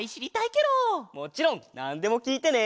もちろんなんでもきいてね！